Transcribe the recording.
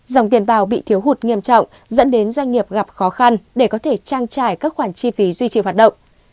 dòng tiền bào bị thiếu hụt nghiêm trọng dẫn đến doanh nghiệp gặp khó khăn để có thể trang trải các khoản chi phí duy trì hoạt động